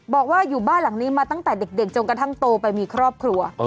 บอกว่าอยู่บ้านหลังนี้มาตั้งแต่เด็กจนกระทั่งโตไปมีครอบครัว